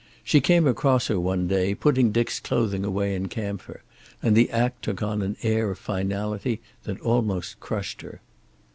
She came across her one day putting Dick's clothing away in camphor, and the act took on an air of finality that almost crushed her.